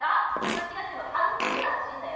間違っても犯罪には走るなよ！